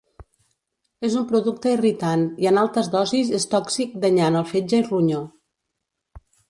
És un producte irritant i en altes dosis és tòxic danyant el fetge i ronyó.